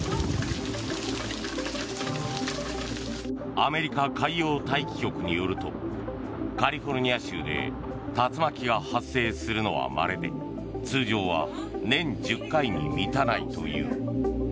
アメリカ海洋大気局によるとカリフォルニア州で竜巻が発生するのはまれで通常は年１０回に満たないという。